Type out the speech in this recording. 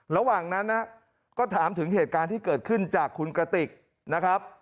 ระหว่างนั้นนะครับก็ถามถึงเหตุการณ์ที่เกิดขึ้นจากคุณกระติกนะครับ